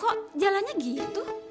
kok jalannya gitu